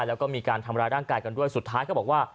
แล้วก็มีการทำร้ายร่างกายกันด้วยสุดท้ายก็บอกว่า